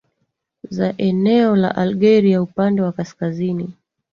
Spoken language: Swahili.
za eneo la Algeria upande wa kaskazini